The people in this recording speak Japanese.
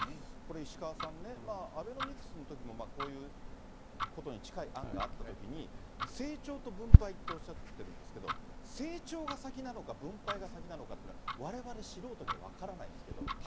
石川さんね、アベノミクスのときもこういうことに近い案があったときに、成長と分配っておっしゃってるんですけど、成長が先なのか分配が先なのかっていうのは、われわれ素人には分からないんですけど。